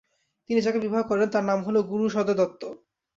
তিনি যাকে বিবাহ করেন তার নাম হলো গুরুসদয় দত্ত।